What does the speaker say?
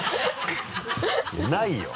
ないよ！